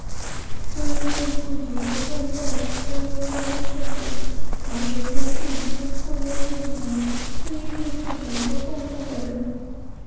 注意力不足过动症资优生是指同时兼具资赋优异及注意力不足过动症的人。